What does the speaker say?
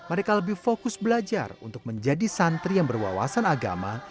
mereka lebih fokus belajar untuk menjadi santri yang berwawasan agama